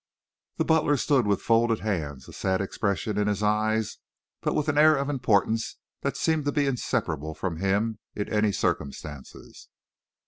The butler stood with folded hands, a sad expression in his eyes, but with an air of importance that seemed to be inseparable from him, in any circumstances.